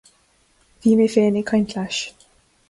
Bhí mé féin ag caint leis